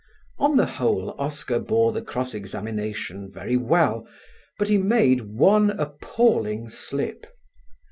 On the whole Oscar bore the cross examination very well; but he made one appalling slip.